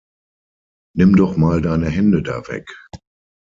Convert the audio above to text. Nimm doch mal deine Hände da weg!